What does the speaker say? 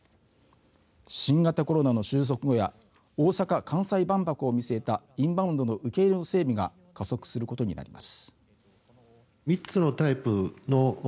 新型コロナの収束後や大阪関西万博を見据えたインバウンドの受け入れの整備が加速することになります。